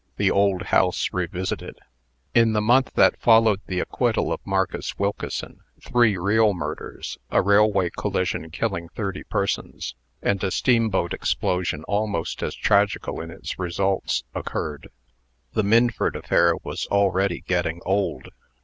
THE OLD HOUSE REVISITED. In the month that followed the acquittal of Marcus Wilkeson, three real murders, a railway collision killing thirty persons, and a steamboat explosion almost as tragical in its results, occurred. The Minford affair was already getting old.